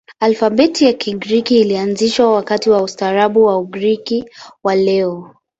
Alfabeti ya Kigiriki ilianzishwa wakati wa ustaarabu wa Ugiriki wa leo.